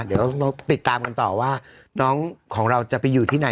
เดี๋ยวเราติดตามกันต่อว่าน้องของเราจะไปอยู่ที่ไหน